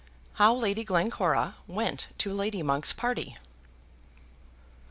How Lady Glencora Went to Lady Monk's Party.